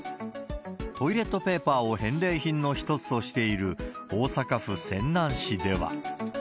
トイレットペーパーを返礼品の一つとしている大阪府泉南市では。